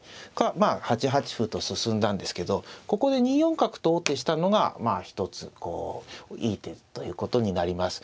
まあ８八歩と進んだんですけどここで２四角と王手したのがまあ一つこういい手ということになります。